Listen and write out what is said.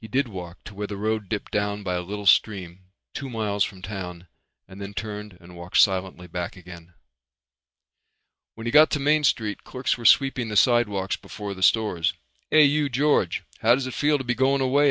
He did walk to where the road dipped down by a little stream two miles from town and then turned and walked silently back again. When he got to Main Street clerks were sweeping the sidewalks before the stores. "Hey, you George. How does it feel to be going away?"